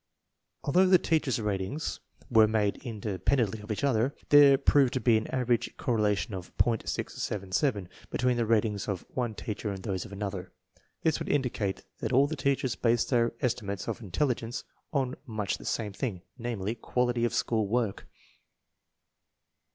Although the teachers* ratings were made independ 86 INTELLIGENCE OF SCHOOL CHILDREN ently of each other, there proved to be an average inter correlation of .677 between the ratings of one teacher and those of another. This would indicate that all the teachers based their estimates of intelligence on much the same thing, namely, quality of school work.